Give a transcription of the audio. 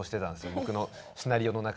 僕のシナリオの中には。